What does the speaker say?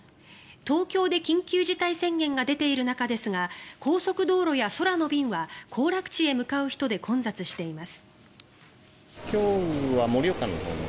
東京で緊急事態宣言が出ている中ですが高速道路や空の便は行楽地へ向かう人で混雑しています。